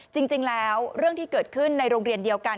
จริงแล้วเรื่องที่เกิดขึ้นในโรงเรียนเดียวกัน